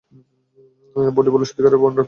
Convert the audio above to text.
পুটি বলিল, সত্যিকার মড়ার মুণ্ড রানুদি?